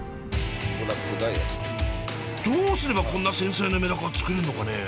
どうすればこんな繊細なメダカをつくれるのかね？